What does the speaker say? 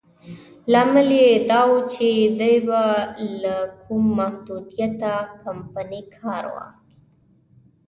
لامل یې دا و چې دې به بې له کوم محدودیته شپنی کار کاوه.